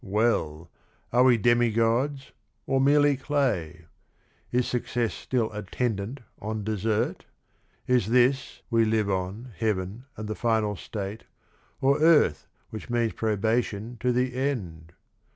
Well, are we demigods or merely clay? Is success still attendant on desert? Is this, we live on, heaven and the final state, Or earth which means probation to the end?